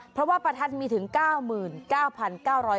เพราะว่าประทัดมีถึง๙๙๙๐๐บาท